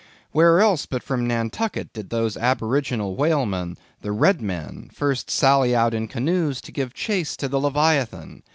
Where else but from Nantucket did those aboriginal whalemen, the Red Men, first sally out in canoes to give chase to the Leviathan?